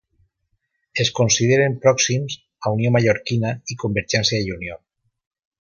Es consideren pròxims a Unió Mallorquina i Convergència i Unió.